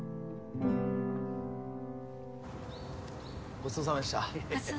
ごちそうさまでした。